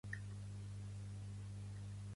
Vull canviar jeroglífic egipci a català.